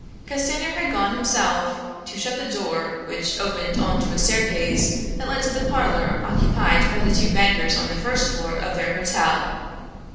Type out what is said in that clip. Castanier had gone himself to shut the door which opened on to a staircase that led to the parlor occupied by the two bankers on the first floor of their hotel.